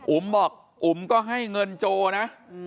บอกอุ๋มก็ให้เงินโจนะ